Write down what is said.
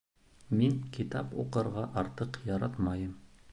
Мин китап уҡырға артыҡ яратмайым